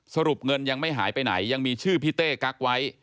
สรุปเงินยังไม่หายไปไหนยังมีชื่อพี่เต้กั๊กไว้